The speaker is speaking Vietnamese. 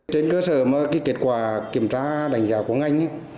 trên cơ sở mà kết quả kiểm tra đánh giá của ngành